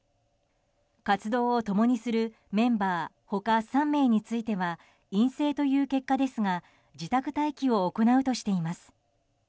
活動を共にするメンバー他３名については陰性という結果ですが自宅待機を行うとしています。